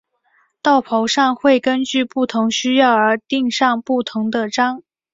道袍上会根据不同需要而钉上不同的章。